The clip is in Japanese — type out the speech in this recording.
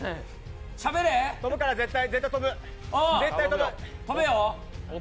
飛ぶから、絶対飛ぶ。